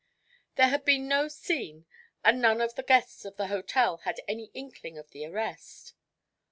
There had been no "scene" and none of the guests of the hotel had any inkling of the arrest.